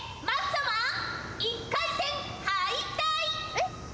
えっ？